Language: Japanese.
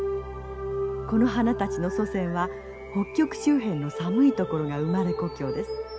「この花たちの祖先は北極周辺の寒い所が生まれ故郷です。